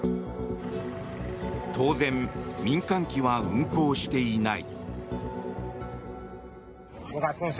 当然、民間機は運航していない。